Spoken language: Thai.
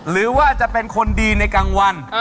หรือว่าจะเป็นคนดีในกลางวัน